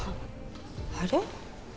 あれ？